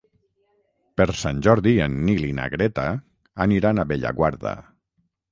Per Sant Jordi en Nil i na Greta aniran a Bellaguarda.